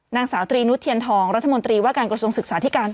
นางสาวตรีนุษเทียนทองรัฐมนตรีว่าการกระทรวงศึกษาธิการ